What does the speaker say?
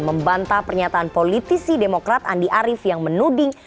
membantah pernyataan politisi demokrat andi arief yang menuding